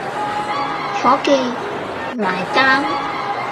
伙記，埋單